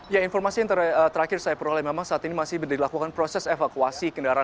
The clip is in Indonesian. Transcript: ya informasi yang terakhir saya peroleh memang saat ini masih dilakukan proses evakuasi kendaraan